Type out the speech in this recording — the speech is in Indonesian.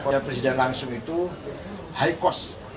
ya presiden langsung itu high cost